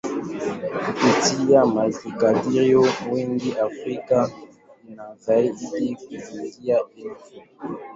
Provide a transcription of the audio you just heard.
Kupitia makadirio mengi, Afrika ina zaidi ya lugha elfu.